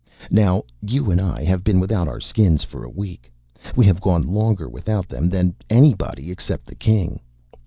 Now you and I have been without our Skins for a week. We have gone longer without them than anybody, except the King.